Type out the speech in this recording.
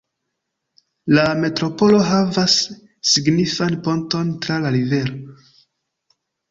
La metropolo havas signifan ponton tra la rivero.